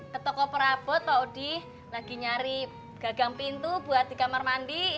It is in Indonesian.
ke toko perabot pak odi lagi nyari gagang pintu buat di kamar mandi